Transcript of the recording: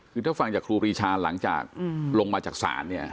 คือถ้าฟังจากครูปรีชาหลังจากลงมาจากศาลเนี่ย